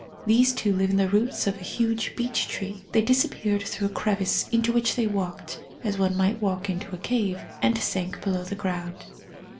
These two live in the roots of a huge beech tree — they disappeared through a crevice into which they walked (as one might walk into a cave) and sank below the ground.